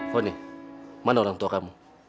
foni mana orang tua kamu